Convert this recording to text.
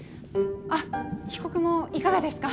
あっ被告もいかがですか？